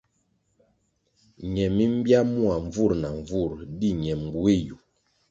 Ñe mi mbya mua nvur na nvur di ñe mbueh yu.